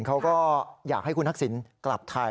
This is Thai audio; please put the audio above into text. เขาก็อยากให้คุณทักษิณกลับไทย